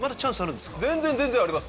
全然全然あります